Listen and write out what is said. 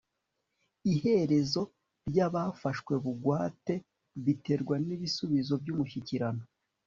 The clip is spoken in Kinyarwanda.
iherezo ryabafashwe bugwate biterwa nibisubizo byumushyikirano